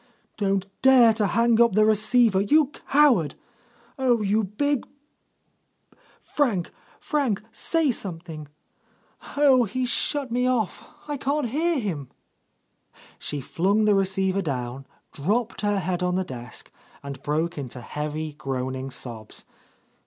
Don't dare to hang up the receiver, you coward ! Oh, you big ... Frank, Frank, say something! Oh, he's shut me off, I can't hear him!" She flung the receiver down, dropped her head on the desk, and broke into heavy, groaning sobs.